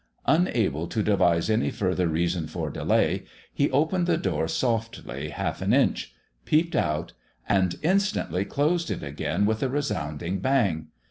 Unable to devise any further reason for delay, he opened the door softly half an inch peeped out and instantly closed it again with a resounding bang.